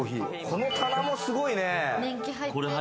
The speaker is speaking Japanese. この棚もすごいね。